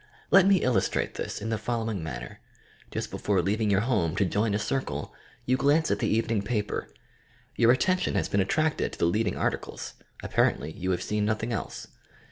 Let me illustrate this in the following man ner r Just before leaving your home to join a circle, you glance at the evening paper. Your attention has been attracted to the leading articles; apparently you have seen nothing else.